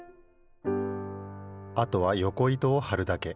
あとはよこ糸をはるだけ。